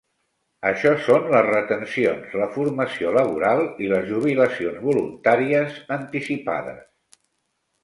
Això són les retencions, la formació laboral i les jubilacions voluntàries anticipades.